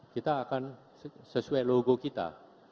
kita akan sesuai logo kita